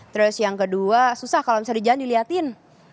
terus yang kedua susah kalau misalnya di jalan dilihatin